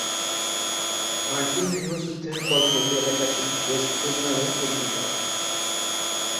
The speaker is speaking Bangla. মার্কিন গৃহযুদ্ধের পরপরই এলাকাটি ওয়েস্টভিল নামে পরিচিত হয়।